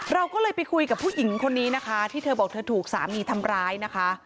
เราก็เลยไปคุยกับผู้หญิงคนนี้นะคะที่เธอบอกเธอถูกสามีทำร้ายนะคะ